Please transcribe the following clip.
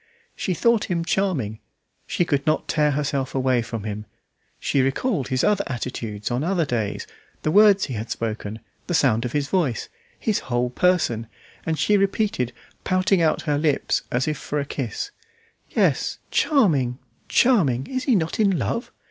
She thought him charming; she could not tear herself away from him; she recalled his other attitudes on other days, the words he had spoken, the sound of his voice, his whole person; and she repeated, pouting out her lips as if for a kiss "Yes, charming! charming! Is he not in love?"